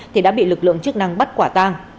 thì đã bị lực lượng chức năng bắt quả tang